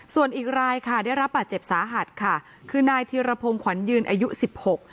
ส่วนอีกรายค่ะได้รับบาดเจ็บสาหัสค่ะคือนายธิรพงศ์ขวัญยืนอายุสิบหก